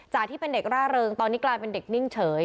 ที่เป็นเด็กร่าเริงตอนนี้กลายเป็นเด็กนิ่งเฉย